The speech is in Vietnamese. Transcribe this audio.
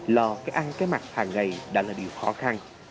lo cái ăn cái mặt hàng ngày đã là điều khó khăn